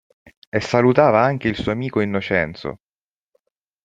E salutava anche il suo amico Innocenzo.